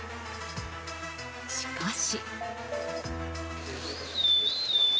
しかし。